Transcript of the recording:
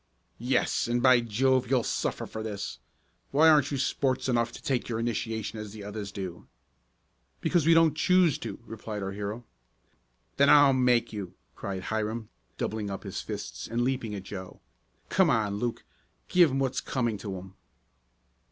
"Yes, and by Jove, you'll suffer for this! Why aren't you sports enough to take your initiation as the others do?" "Because we don't choose to," replied our hero. "Then I'll make you!" cried Hiram, doubling up his fists and leaping at Joe. "Come on, Luke, give 'em what's coming to 'em!"